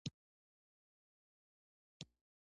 هغه ونشوله.